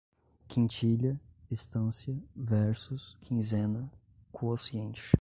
Quintilha, estância, versos, quinzena, quociente